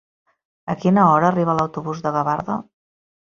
A quina hora arriba l'autobús de Gavarda?